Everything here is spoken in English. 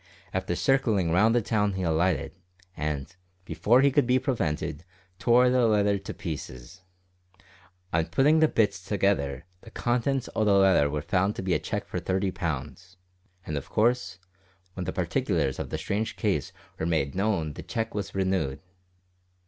After circlin' round the town he alighted, and, before he could be prevented, tore the letter to pieces. On puttin' the bits together the contents o' the letter was found to be a cheque for thirty pounds, and of course, when the particulars o' the strange case were made known the cheque was renewed!